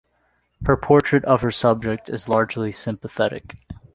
Her portrait of her subject is largely sympathetic.